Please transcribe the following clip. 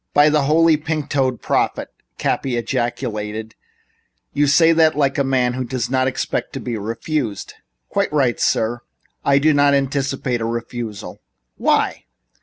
"By the Holy Pink toed Prophet!" Cappy ejaculated, "you say that like a man who doesn't expect to be refused." "Quite right, sir. I do not anticipate a refusal." "Why?"